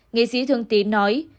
nghệ sĩ thương tín nói